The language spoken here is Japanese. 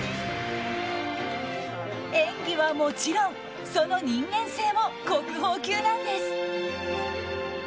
演技はもちろんその人間性も国宝級なんです。